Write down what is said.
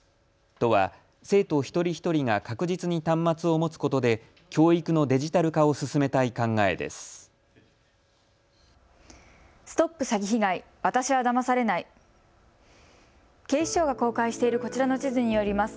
都は生徒一人一人が確実に端末を持つことで教育のデジタル化を進めたい考えです。